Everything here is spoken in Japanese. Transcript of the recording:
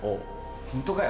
ホントかよ？